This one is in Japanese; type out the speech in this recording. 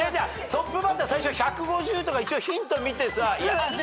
トップバッター最初１５０とか一応ヒント見てさ。